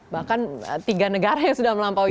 bahkan tiga negara yang sudah melampaui